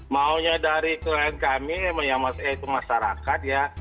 maunya dari klien kami emang ya masyarakat ya